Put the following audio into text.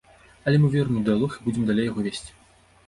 Але мы верым у дыялог і будзем далей яго весці.